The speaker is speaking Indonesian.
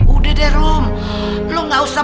udah deh rum lu gak usah